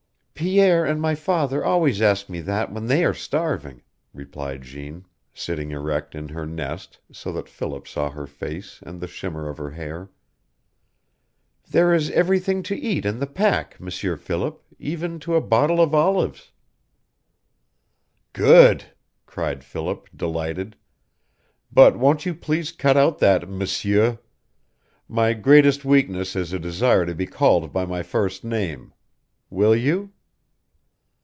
"Pierre and my father always ask me that when THEY are starving," replied Jeanne, sitting erect in her nest so that Philip saw her face and the shimmer of her hair. "There is everything to eat in the pack, M'sieur Philip, even to a bottle of olives." "Good!" cried Philip, delighted, "But won't you please cut out that 'm'sieur?' My greatest weakness is a desire to be called by my first name. Will you?"